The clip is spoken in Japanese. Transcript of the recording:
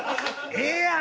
「ええやん！」